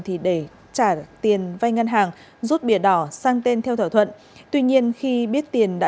thì để trả tiền vay ngân hàng rút bìa đỏ sang tên theo thỏa thuận tuy nhiên khi biết tiền đã